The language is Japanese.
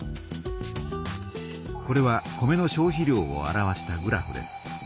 これは米の消費量を表したグラフです。